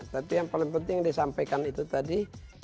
tapi yang paling penting yang disampaikan itu tadi